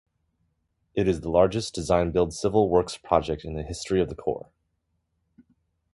It is the largest design-build civil works project in the history of the Corps.